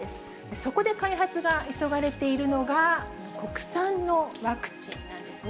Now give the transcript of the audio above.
そこで開発が急がれているのが、この国産のワクチンなんですね。